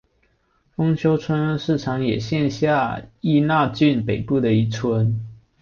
丰丘村是长野县下伊那郡北部的一村。